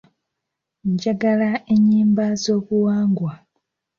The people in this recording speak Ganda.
Njagala ennyimba z'obuwangwa.